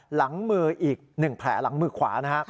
หลังมืออีก๑แผลหลังมือขวานะฮะ